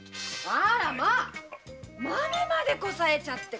あらマメまでこさえちゃって。